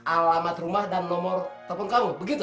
alamat rumah dan nomor telepon kamu begitu